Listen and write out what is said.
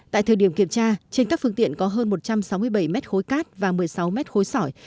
tại thời điểm kiểm tra trên các phương tiện có hơn một trăm sáu mươi bảy mét khối cát và một mươi sáu mét khối sỏi